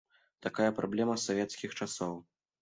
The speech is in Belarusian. Такая праблема з савецкіх часоў.